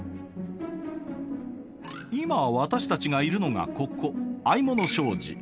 今私たちがいるのがここ相物小路。